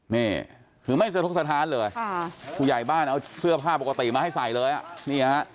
นี่คือไม่สะทกสถานเลยค่ะผู้ใหญ่บ้านเอาเสื้อผ้าปกติมาให้ใส่เลยอ่ะนี่ฮะ